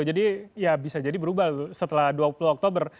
ya bisa jadi berubah setelah dua puluh oktober